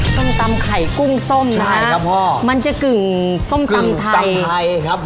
ส้มตำไข่กุ้งส้มนะครับพ่อมันจะกึ่งส้มตำไทยตำไทยครับ